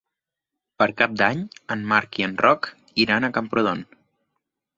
Per Cap d'Any en Marc i en Roc iran a Camprodon.